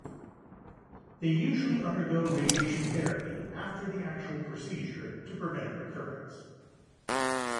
They usually undergo radiation therapy after the actual procedure to prevent recurrence.